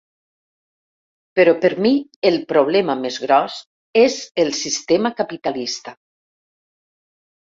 Però per mi el problema més gros és el sistema capitalista.